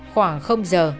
khoảng giờ